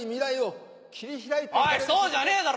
そうじゃねえだろ